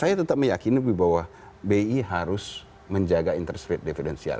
saya tetap meyakini bahwa bi harus menjaga interest rate defidensial